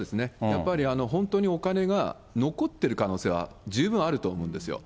やっぱり本当にお金が残ってる可能性は十分あると思うんですよ。